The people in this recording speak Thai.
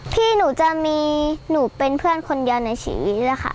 พี่หนูจะมีหนูเป็นเพื่อนคนเดียวในชีวิตเลยค่ะ